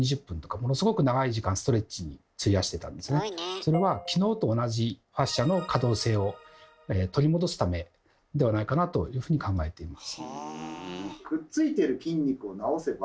それは昨日と同じファシアの可動性を取り戻すためではないかなというふうに考えています。